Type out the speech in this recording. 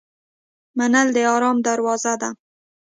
منل د آرام دروازه ده.